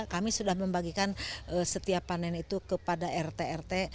kami sudah membagikan setiap panen itu kepada rt rt